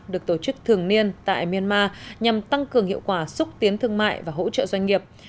được tổ chức thường niên tại myanmar nhằm tăng cường hiệu quả xúc tiến thương mại và hỗ trợ doanh nghiệp